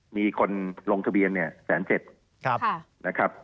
มีคนลงทะเบียนเนี่ย๑๗๐๐นะครับ